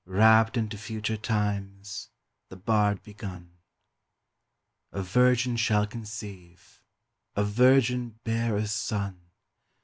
Rapt into future times, the bard begun: A Virgin shall conceive, a Virgin bear a Son!